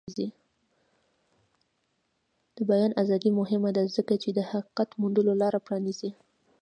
د بیان ازادي مهمه ده ځکه چې د حقیقت موندلو لاره پرانیزي.